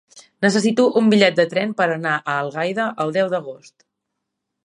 Necessito un bitllet de tren per anar a Algaida el deu d'agost.